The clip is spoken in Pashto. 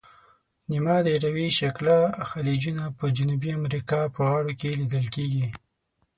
نیمه دایروي شکله خلیجونه په جنوبي امریکا په غاړو کې لیدل کیږي.